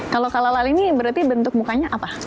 kalau kalalal ini berarti bentuk mukanya apa